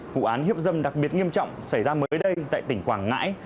vụ án hiếp dâm đặc biệt nghiêm trọng xảy ra mới đây tại tỉnh quảng ngãi